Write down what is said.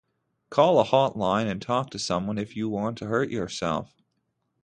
Call a hot line and talk to someone if you want to hurt yourself.